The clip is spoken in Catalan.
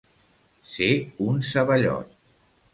Ser un ceballot.